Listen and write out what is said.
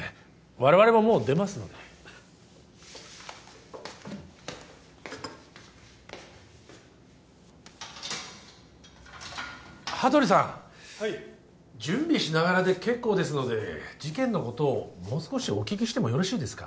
我々ももう出ますので羽鳥さんはい準備しながらで結構ですので事件のことをもう少しお聞きしてもよろしいですか？